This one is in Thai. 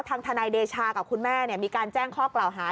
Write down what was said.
ทางทนายเดชากับคุณแม่มีการแจ้งข้อกล่าวหา